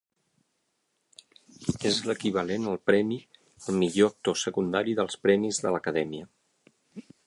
És l'equivalent al premi al millor actor secundari dels premis de l'acadèmia.